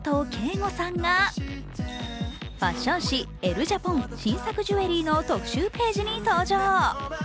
瑚さんがファッション誌「エル・ジャポン」新作ジュエリーの特集ページに登場。